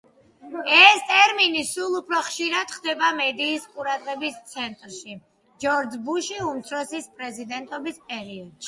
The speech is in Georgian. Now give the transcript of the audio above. ეს ტერმინი სულ უფრო ხშირად ხდება მედიის ყურადღების ცენტრში ჯორჯ ბუში უმცროსის პრეზიდენტობის პერიოდში.